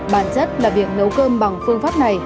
bản chất là việc nấu cơm bằng phương pháp này